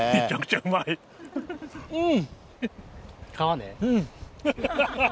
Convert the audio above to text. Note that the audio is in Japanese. うん！